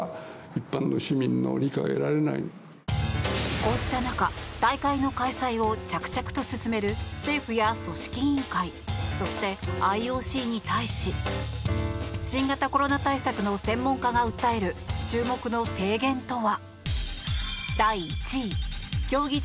こうした中大会の開催を着々と進める政府や組織委員会そして、ＩＯＣに対し新型コロナ対策の専門家が訴える注目の提言とは。